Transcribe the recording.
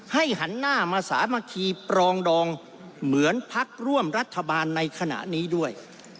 หันหน้ามาสามัคคีปรองดองเหมือนพักร่วมรัฐบาลในขณะนี้ด้วย